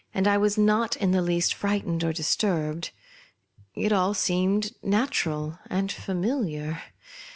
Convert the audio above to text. [Coiirincted by was not in the least frightesed or disturbed ; it all seemed natural and familiar.